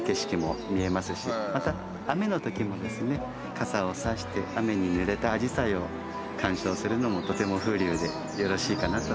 傘を差して雨にぬれたアジサイを観賞するのもとても風流でよろしいかなと思います。